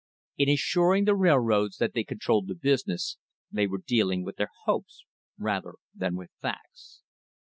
In assuring the railroads that they controlled the business, they were dealing with their hopes rather than with facts.